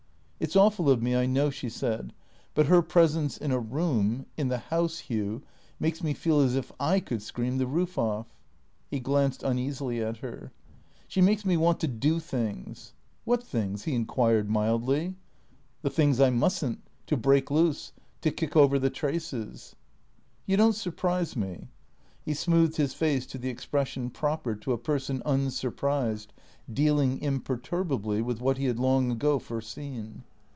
" It 's awful of me, I know," she said, " but her presence in a room — in the house, Hugh — makes me feel as if I could scream the roof off." (He glanced uneasily at her.) " She makes me want to do things." " \?hat things ?" he inquired mildly. " The things I must n't — to break loose — to kick over the traces "" You don't surprise me." He smoothed his face to the expression proper to a person unsurprised, dealing imperturbably with what he had long ago foreseen.